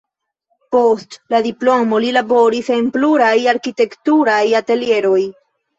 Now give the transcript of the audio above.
Post la diplomo li laboris en pluraj arkitekturaj atelieroj.